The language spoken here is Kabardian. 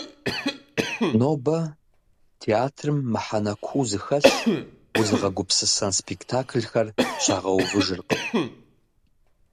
Нобэ театрым мыхьэнэ куу зыхэлъ, узыгъэгупсысэн спектакльхэр щагъэувыжыркъым.